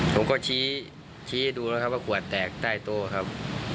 ผมก็ชี้ให้ดูนะครับว่าขวดแตกใต้โต๊ะครับ